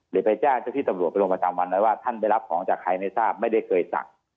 ไปแจ้งเจ้าที่ตำรวจไปลงประจำวันไว้ว่าท่านไปรับของจากใครไม่ทราบไม่ได้เคยสั่ง